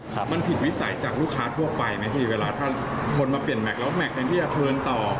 ครับมันผิดวิสัยจากลูกค้าทั่วไปไหมพี่เวลาถ้าคนมาเปลี่ยนแม็กแล้วแม็กแทนที่จะเทิร์นต่อ